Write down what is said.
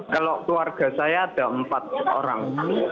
kalau keluarga saya ada empat orang